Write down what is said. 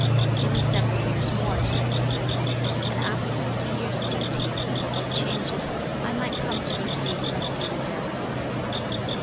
"Give me several years more to live," said he, "and after fifty years' study of the 'Book of Changes' I might come to be free from serious error."